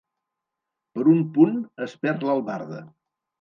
Per un punt es perd l'albarda.